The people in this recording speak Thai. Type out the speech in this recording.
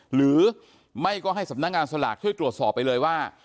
หรือไม่ก็ให้สำนักงานสลากช่วยตรวจสอบไปเลยว่า